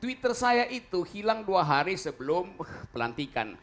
twitter saya itu hilang dua hari sebelum pelantikan